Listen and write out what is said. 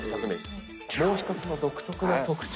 もう１つの独特な特徴